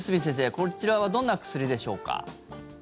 こちらは、どんな薬でしょうか。